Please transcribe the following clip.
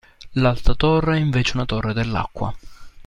L'alta torre è invece una torre dell'acqua.